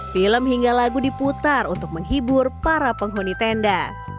film hingga lagu diputar untuk menghibur para penghuni tenda